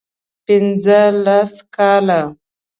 پنځه لس کاله